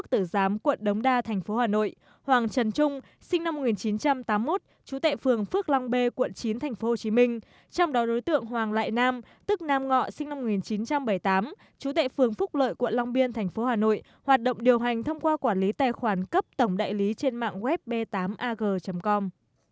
trần trung sinh năm một nghìn chín trăm tám mươi một chú tệ phường phước long b quận chín thành phố hồ chí minh trong đó đối tượng hoàng lại nam tức nam ngọ sinh năm một nghìn chín trăm bảy mươi tám chú tệ phường phúc lợi quận long biên thành phố hà nội hoạt động điều hành thông qua quản lý tài khoản cấp tổng đại lý trên mạng web b tám ag com